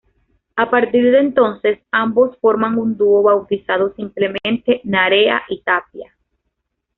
A partir de entonces, ambos forman un dúo bautizado simplemente Narea y Tapia.